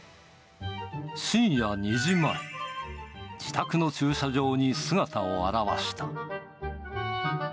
深夜２時前、自宅の駐車場に姿を現した。